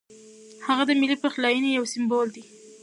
هغه د ملي پخلاینې یو سمبول بولي.